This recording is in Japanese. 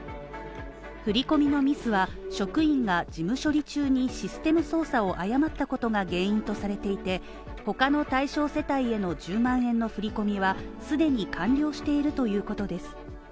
振り込みのミスは職員が事務処理中にシステム操作を誤ったことが原因とされていて、他の対象世帯への１０万円の振り込みは既に完了しているということです。